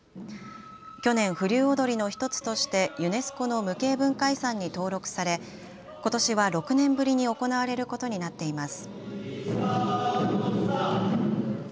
去年、風流踊の１つとしてユネスコの無形文化遺産に登録されことしは６年ぶりに行われることになっています。